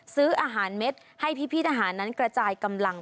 ซื้ออาหารเม็ดให้พี่ทหารนั้นกระจายกำลัง